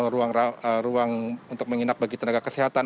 ruang untuk menginap bagi tenaga kesehatan